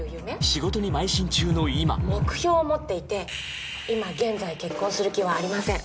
仕事にまい進中の今目標を持っていて今現在結婚する気はありません